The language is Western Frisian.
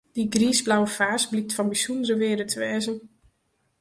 Dy griisblauwe faas blykt fan bysûndere wearde te wêze.